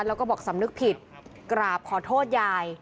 แล้วก็บอกสำนึกผิดกราบขอโทษยาย